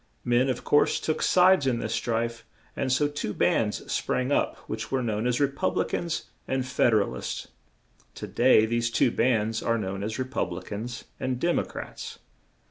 Men, of course, took sides in this strife, and so two bands sprang up which were known as Re pub li cans and Fed er al ists; to day these two bands are known as Re pub li cans and Dem o crats.